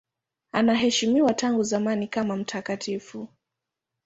Anaheshimiwa tangu zamani kama mtakatifu.